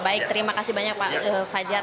baik terima kasih banyak pak fajar